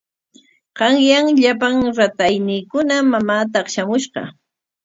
Qanyan llapan ratayniikuna mamaa taqshamushqa.